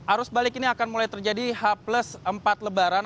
arus balik ini akan mulai terjadi h empat lebaran